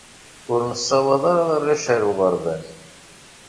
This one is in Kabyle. Ur nessawaḍ ara arrac ar uɣerbaz.